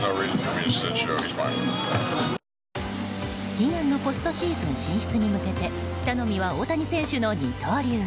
悲願のポストシーズン進出に向けて頼みは大谷選手の二刀流。